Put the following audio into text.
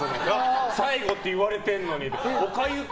最後って言われてるのに。